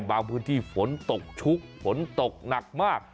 บางพื้นที่ฝนตกชุกฝนตกหนักมาก